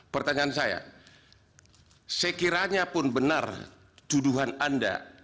pertanyaan saya sekiranya pun benar tuduhan anda